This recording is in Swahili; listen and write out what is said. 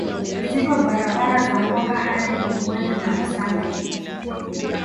Zipo barabara za Mwanga hadi Ugweno na Usangi